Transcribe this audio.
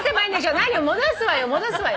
何よ戻すわよ戻すわよ。